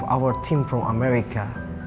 jika tim dari amerika